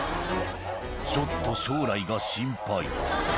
ちょっと将来が心配